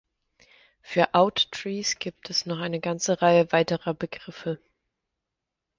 Für Out-Trees gibt es noch eine ganze Reihe weiterer Begriffe.